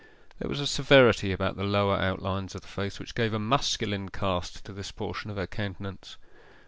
There was a severity about the lower outlines of the face which gave a masculine cast to this portion of her countenance.